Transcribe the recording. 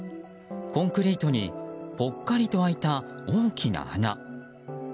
コンクリートにぽっかりと開いた大きな穴。